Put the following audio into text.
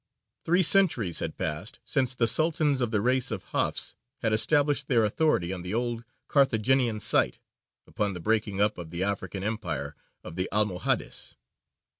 Three centuries had passed since the Sultans of the race of Hafs had established their authority on the old Carthaginian site, upon the breaking up of the African empire of the Almohades.